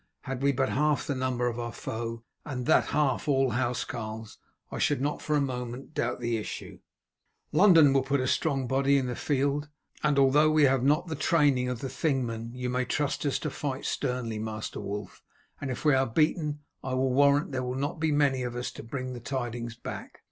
Had we but half the number of our foe, and that half all housecarls, I should not for a moment doubt the issue." "London will put a strong body in the field, and though we have not the training of the Thingmen you may trust us to fight sternly, Master Wulf; and if we are beaten I will warrant that there will not be many of us to bring the tidings back."